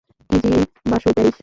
Keiji Basu, Paris!